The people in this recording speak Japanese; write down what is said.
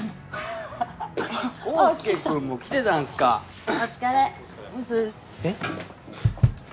ハハハ康祐くんも来てたんすかお疲れお疲れえっ？